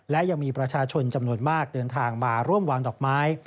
และยังมีประชาชนจำนวนมากเดินทางมาร่วมวางดอกไม้